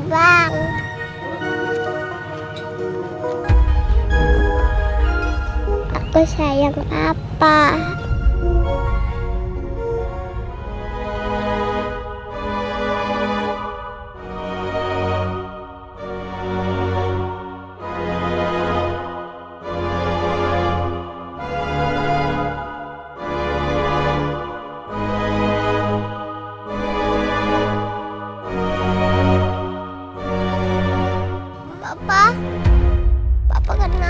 sampai jumpa di video selanjutnya